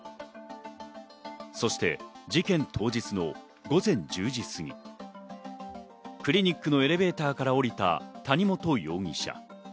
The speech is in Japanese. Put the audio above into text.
そして事件当日の午前１０時過ぎ、クリニックのエレベーターから降りた谷本容疑者。